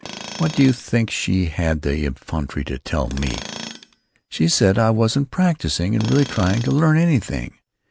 What do you think she had the effrontery to tell me? She said that I wasn't practising and really trying to learn anything.